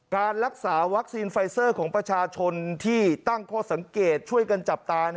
การรักษาวัคซีนไฟเซอร์ของประชาชนที่ตั้งข้อสังเกตช่วยกันจับตา